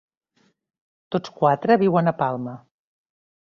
Tots quatre viuen a Palma.